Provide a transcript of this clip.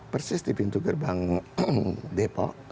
persis di pintu gerbang depok